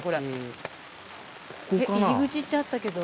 入り口ってあったけど。